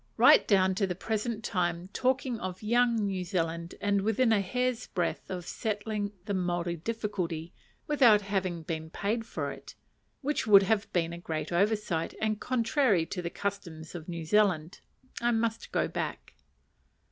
Right down to the present time, talking of "young New Zealand," and within a hair's breadth of settling "the Maori difficulty" without having been paid for it; which would have been a great oversight, and contrary to the customs of New Zealand. I must go back.